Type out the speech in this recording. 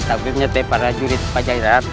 tapi para jurid pajajaran